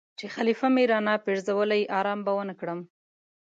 چې خلیفه مې را نه پرزولی آرام به ونه کړم.